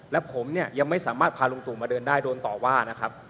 และผมเนี่ยยังไม่สามารถพาลุงตู่มาเดินได้โดนต่อว่านะครับ